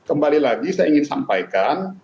dan kembali lagi saya ingin sampaikan